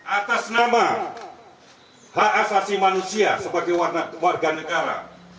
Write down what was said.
atas nama hak asasi manusia sebagai warga negara